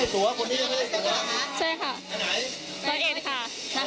สวัสดีครับสวัสดีครับนี่ไปไหนนี่ไปเลยค่ะไปเลยนี่ไปเลย